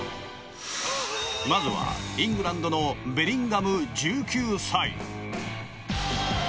まずは、イングランドのベリンガム、１９歳。